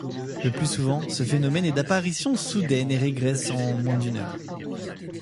Le plus souvent, ce phénomène est d'apparition soudaine et régresse en moins d'une heure.